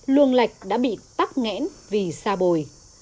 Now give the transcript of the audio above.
luôn lạch đã bị tắt nghẽn vì xa bồi